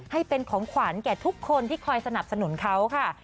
ให้เป็นของขวัญแก่ทุกคนที่คอยสนับสนุนเขาค่ะ